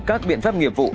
các biện pháp nghiệp vụ